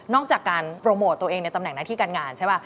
จากการโปรโมทตัวเองในตำแหน่งหน้าที่การงานใช่ป่ะ